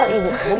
bener ibu pulang